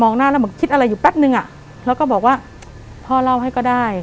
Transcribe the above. หน้าแล้วเหมือนคิดอะไรอยู่แป๊บนึงอ่ะแล้วก็บอกว่าพ่อเล่าให้ก็ได้